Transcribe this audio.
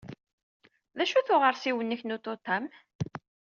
D acu-t uɣersiw-nnek n ututam?